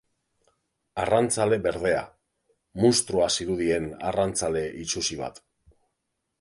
Arrantzale berdea: munstroa zirudien arrantzale itsusi bat.